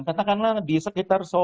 katakanlah di sekitar solo